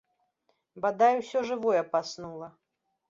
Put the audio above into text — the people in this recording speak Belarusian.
Бадай усё жывое паснула.